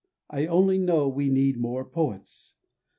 I only know we need more poets.